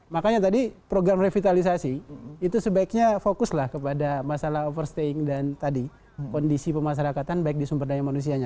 makanya tadi program revitalisasi itu sebaiknya fokuslah kepada masalah overstaying dan tadi kondisi pemasarakatan baik di sumber daya manusianya